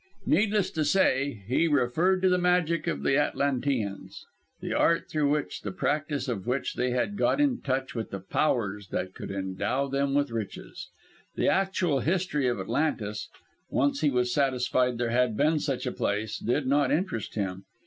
Needless to say, he referred to the magic of the Atlanteans the art through the practice of which they had got in touch with the Powers that could endow them with riches. The actual history of Atlantis once he was satisfied there had been such a place did not interest him.